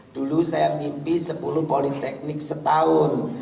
dulu saya mimpi sepuluh politeknik setahun